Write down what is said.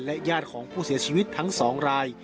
ญาติของผู้เสียชีวิตทั้ง๒ราย